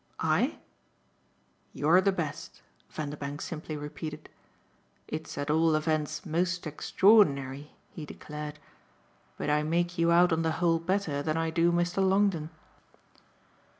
"I?" "You're the best," Vanderbank simply repeated. "It's at all events most extraordinary," he declared. "But I make you out on the whole better than I do Mr. Longdon."